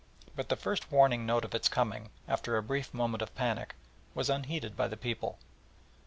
But the first warning note of its coming, after a brief moment of panic, was unheeded by the people.